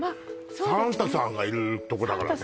サンタさんがいるとこだからね